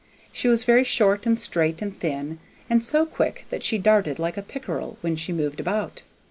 She was very short and straight and thin, and so quick that she darted like a pickerel when she moved about.